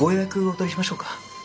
お取りしましょうか？